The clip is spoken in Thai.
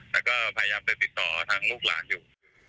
แต่ก็พยายามจะติดต่อทางลูกหลานอยู่